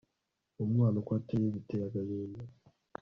uwo mwana uko ateye biteye agahinda